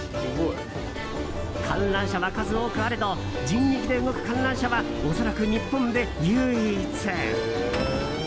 観覧車は数多くあれど人力で動く観覧車は恐らく日本で唯一。